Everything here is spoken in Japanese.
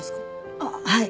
ああはい。